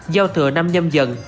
giao thừa năm nhâm dần